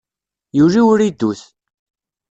Yuli uridut.